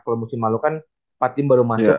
kalo musim lalu kan empat tim baru masuk